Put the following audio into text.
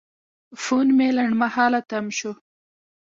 فون مې لنډمهاله تم شو.